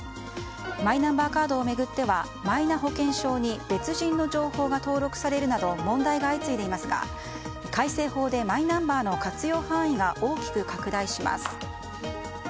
マイナンバーカードを巡ってはマイナ保険証に別人の情報が登録されるなど問題が相次いでいますが改正法でマイナンバーの活用範囲が大きく拡大します。